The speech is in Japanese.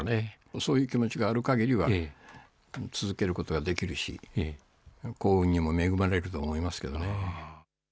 そういう気持ちがあるかぎりは続けることができるし、幸運にも恵まれると思いますけどね。